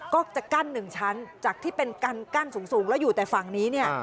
ก็จะกั้นหนึ่งชั้นจากที่เป็นกั้นสูงแล้วอยู่แต่ฝั่งนี้เนี่ย